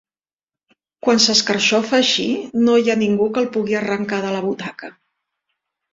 Quan s'escarxofa així, no hi ha ningú que el pugui arrencar de la butaca.